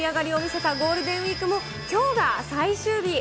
各地で盛り上がりを見せたゴールデンウィークもきょうが最終日。